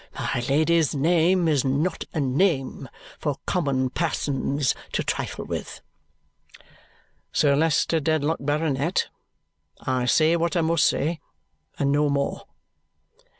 My Lady's name is not a name for common persons to trifle with!" "Sir Leicester Dedlock, Baronet, I say what I must say, and no more."